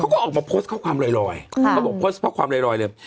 เขาก็ออกมาโพสต์ข้อความลอยลอยค่ะก็บอกก็ขอความลอยลอยเลย